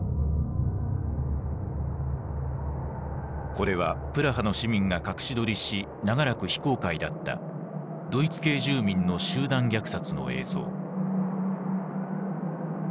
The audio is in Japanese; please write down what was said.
これはプラハの市民が隠し撮りし長らく非公開だったドイツ系住民の集団虐殺の映像。